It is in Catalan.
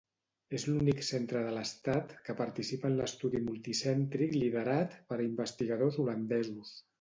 És l'únic centre de l'Estat que participa en l'estudi multicèntric liderat per investigadors holandesos.